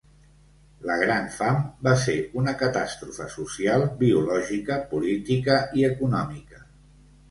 La Gran Fam va ser una catàstrofe social, biològica, política i econòmica.